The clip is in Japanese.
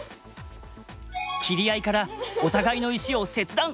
切り合いからお互いの石を切断。